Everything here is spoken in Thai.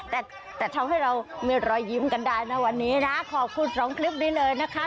แต่ทำให้เรามีรอยยิ้มกันได้นะวันนี้นะขอบคุณสองคลิปนี้เลยนะคะ